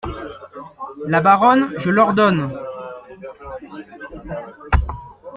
La Baronne Je l’ordonne !